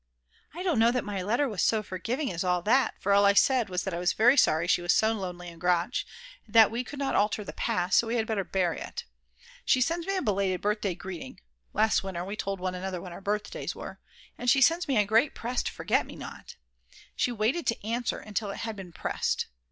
I don't know that my letter was so forgiving as all that, for all I said was that I was very sorry she was so lonely in Gratsch, and that we could not alter the past, so we had better bury it. She sends me a belated birthday greeting (last winter we told one another when our birthdays were), and she sends me a great pressed forget me not. She waited to answer until it had been pressed.